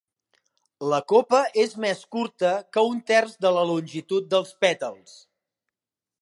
La copa és més curta que un terç de la longitud dels pètals.